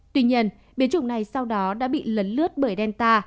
tuy nhiên biến chủng này sau đó đã bị lấn lướt bởi delta